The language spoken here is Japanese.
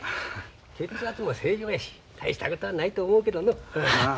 血圧も正常やし大したことはないと思うけどな。